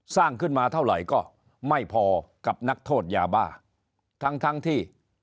สร้างขึ้นมาเท่าไหร่ก็ไม่พอกับนักโทษยาบ้าทั้งทั้งที่